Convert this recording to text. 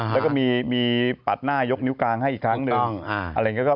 แล้วก็มีปัดหน้ายกนิ้วกลางให้อีกครั้งหนึ่ง